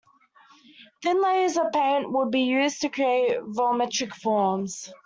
Thin layers of paint would be used to create volumetric forms.